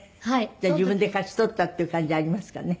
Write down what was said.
じゃあ自分で勝ち取ったっていう感じありますかね？